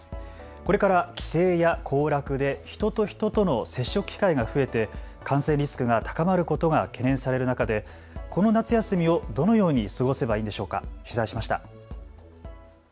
これから帰省や行楽で人と人との接触機会が増えて感染リスクが高まることが懸念される中で、この夏休みをどのように過ごせばいいんでしょうか、取材しました。